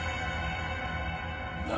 何！？